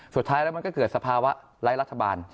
สุดท้ายแล้วมันก็เกิดสภาวะไร้รัฐบาล